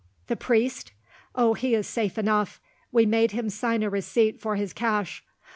"The priest? Oh, he is safe enough. We made him sign a receipt for his cash.